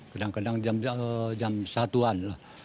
kadang kadang jam satu an lah